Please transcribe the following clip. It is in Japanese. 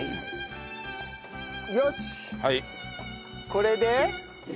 これで？